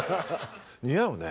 似合うね。